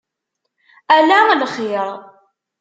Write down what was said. Ala lxir.